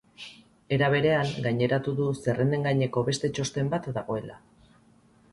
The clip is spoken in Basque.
Era berean, gaineratu du zerrenden gaineko beste txosten bat dagoela.